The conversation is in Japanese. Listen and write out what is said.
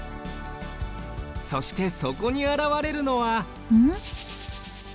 そしてそこにあらわれるのはん？